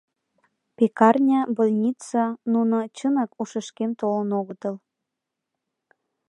— Пекарня, больницаНуно, чынак, ушышкем толын огытыл.